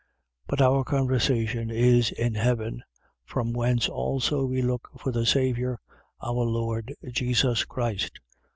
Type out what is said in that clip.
3:20. But our conversation is in heaven: from whence also we look for the Saviour, our Lord Jesus Christ, 3:21.